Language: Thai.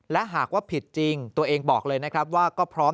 และหากว่าผิดจริงตัวเองบอกเลยนะครับว่าก็พร้อม